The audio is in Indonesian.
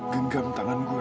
genggam tangan gue